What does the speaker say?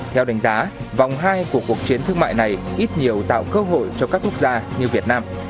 theo đánh giá vòng hai của cuộc chiến thương mại này ít nhiều tạo cơ hội cho các quốc gia như việt nam